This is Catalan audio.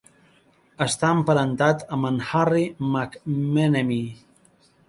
Està emparentat amb en Harry McMenemy.